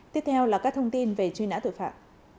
tiếp theo là các thông tin về truy nã tội phạm